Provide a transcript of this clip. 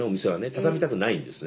畳みたくないんですね。